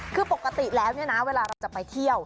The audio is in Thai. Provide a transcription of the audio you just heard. คือปกติแล้วเนี่ยนะเวลาเราจะไปเที่ยว